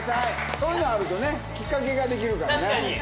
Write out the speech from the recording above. こういうのあるとねきっかけができるからね。